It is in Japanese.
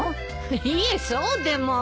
いえそうでも。